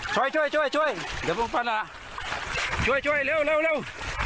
ช่วยช่วยช่วยช่วยเดี๋ยวผมฟันอ่ะช่วยช่วยเร็วเร็วเร็ว